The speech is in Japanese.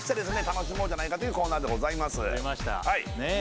楽しもうじゃないかというコーナーでございます出ましたねえ